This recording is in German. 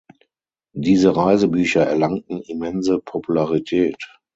Diese Reisebücher erlangten immense Popularität.